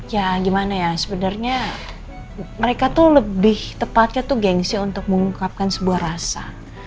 ya gimana ya sebenarnya mereka tuh lebih tepatnya tuh gengsi untuk mengungkapkan sebuah rasa